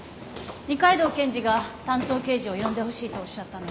二階堂検事が担当刑事を呼んでほしいとおっしゃったので。